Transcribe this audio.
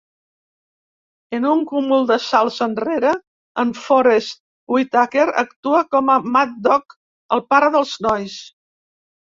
En un cúmul de salts enrere, en Forest Whitaker actua com a Mad Dog, el pare dels nois.